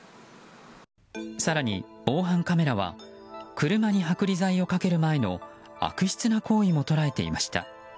更に防犯カメラは車に剥離剤をかける前の悪質な行為も捉えていました。